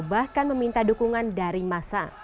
bahkan meminta dukungan dari masa